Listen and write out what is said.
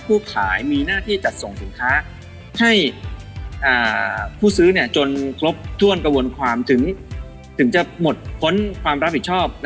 ขายมีหน้าที่จัดส่งสินค้าให้ผู้ซื้อจนครบถ้วนกระบวนความถึงจะหมดพ้นความรับผิดชอบ